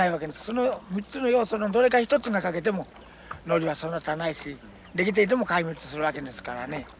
その３つの要素のどれか一つが欠けてもノリは育たないし出来ていても壊滅するわけですからね。